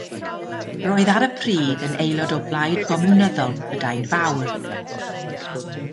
Roedd ar y pryd yn aelod o Blaid Gomiwnyddol Prydain Fawr.